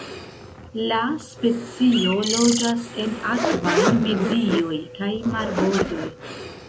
La specio loĝas en akvaj medioj kaj marbordoj.